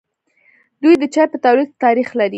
دوی د چای په تولید کې تاریخ لري.